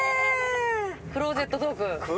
クローゼットトーク。